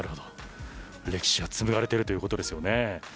歴史が詰められているということですよね。